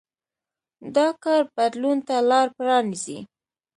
دا کار بدلون ته لار پرانېزي.